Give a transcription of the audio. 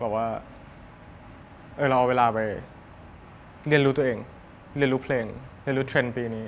บอกว่าเราเอาเวลาไปเรียนรู้ตัวเองเรียนรู้เพลงเรียนรู้เทรนด์ปีนี้